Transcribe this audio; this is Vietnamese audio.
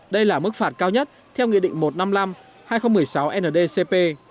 đây là mức phạt cao nhất theo nghị định một trăm năm mươi năm hai nghìn một mươi sáu ndcp